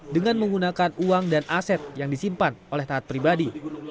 dengan menggunakan uang dan aset yang disimpan oleh taat pribadi